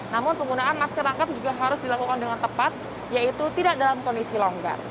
namun penggunaan masker rangkap juga harus dilakukan dengan tepat yaitu tidak dalam kondisi longgar